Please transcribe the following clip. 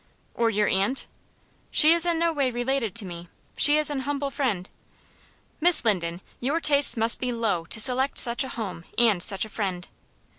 "Or your aunt?" "She is in no way related to me. She is an humble friend. "Miss Linden, your tastes must be low to select such a home and such a friend."